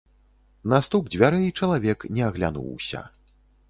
На стук дзвярэй чалавек не аглянуўся.